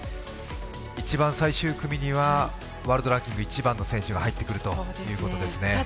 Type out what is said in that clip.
１番最終組には、ワールドランキング１番の選手が入ってくるということですね。